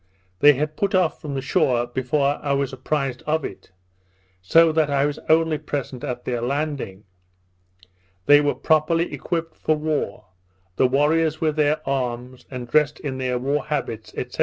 They had put off from the shore before I was apprised of it; so that I was only present at their landing. They were properly equipped for war, the warriors with their arms, and dressed in their war habits, &c.